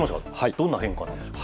どんな変化なんですか？